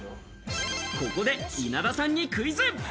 ここで稲田さんにクイズ。